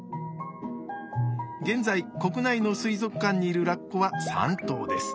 現在国内の水族館にいるラッコは３頭です。